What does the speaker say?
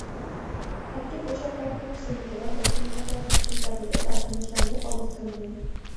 একটি পোশাক কারখানার শ্রমিকেরা বেতন-ভাতা বৃদ্ধির দাবিতে কারখানার সামনে অবস্থান নেন।